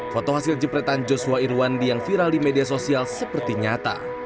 foto hasil jepretan joshua irwandi yang viral di media sosial seperti nyata